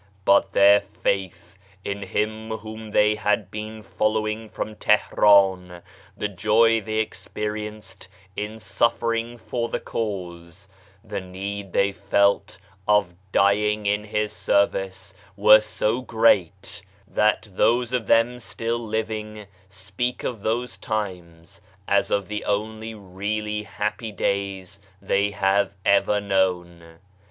But their faith in Him whom they had been following from Tihran ; the joy they experiencedin sufferingfor the Cause; the need they felt of dying in his service were so great, that those of them still 'AKKA 85 living speak of those times as of the only really happy days they have ever known.